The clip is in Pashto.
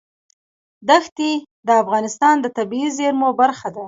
دښتې د افغانستان د طبیعي زیرمو برخه ده.